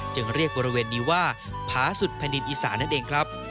เรียกบริเวณนี้ว่าผาสุดแผ่นดินอีสานนั่นเองครับ